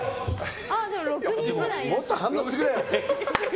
もっと反応してくれ。